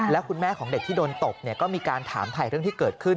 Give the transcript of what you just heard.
แล้วคุณแม่ของเด็กที่โดนตบก็มีการถามถ่ายเรื่องที่เกิดขึ้น